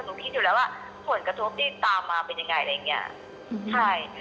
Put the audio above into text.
คิดอยู่แล้วว่าผลกระทบที่ตามมาเป็นยังไงอะไรอย่างเงี้ยใช่